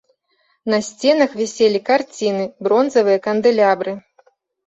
На сценах віселі карціны, бронзавыя кандэлябры.